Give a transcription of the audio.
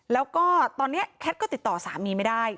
แล้วก็ตอนนี้แคทก็ติดต่อสามีไม่ได้